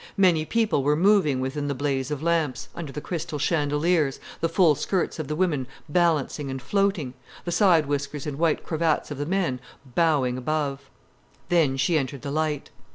Many people were moving within the blaze of lamps, under the crystal chandeliers, the full skirts of the women balancing and floating, the side whiskers and white cravats of the men bowing above. Then she entered the light.